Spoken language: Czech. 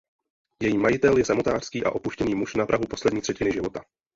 Její majitel je samotářský a opuštěný muž na prahu poslední třetiny života.